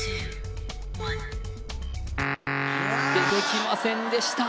出てきませんでした